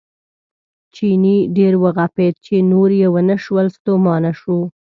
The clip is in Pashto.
چیني ډېر وغپېد چې نور یې ونه شول ستومانه شو.